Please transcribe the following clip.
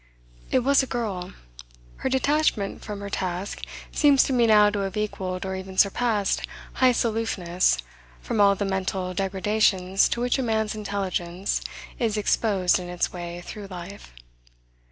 It was a girl. Her detachment from her task seems to me now to have equalled or even surpassed Heyst's aloofness from all the mental degradations to which a man's intelligence is exposed in its way through life.